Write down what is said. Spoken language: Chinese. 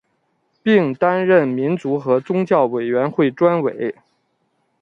并担任民族和宗教委员会专委。